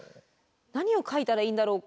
何を書いたらいいんだろうか。